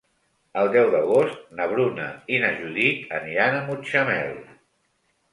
El deu d'agost na Bruna i na Judit aniran a Mutxamel.